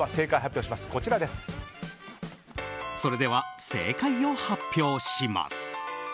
それでは正解を発表します。